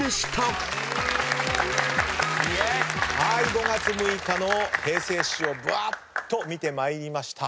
５月６日の平成史をぶわーっと見てまいりました。